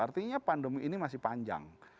artinya pandemi ini masih panjang